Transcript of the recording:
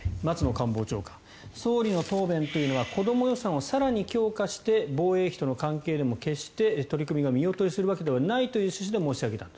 官房長官総理の答弁というのは子ども予算を更に強化して防衛費との関係でも決して取り組みが見劣りするわけではないという趣旨で申し上げた。